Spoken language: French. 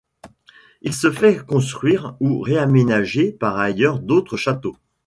Il se fait construire ou réaménager par ailleurs d'autres châteaux.